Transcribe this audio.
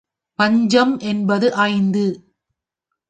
பஞ்சம் என்பது ஐந்து.